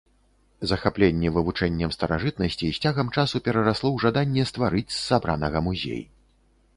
Захапленне вывучэннем старажытнасцей з цягам часу перарасло ў жаданне стварыць з сабранага музей.